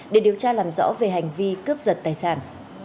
để điều tra làm rõ về hành vi cướp giật tài sản